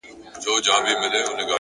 لوړ فکر نوې نړۍ انځوروي!.